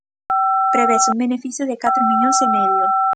Prevese un beneficio de catro millóns e medio.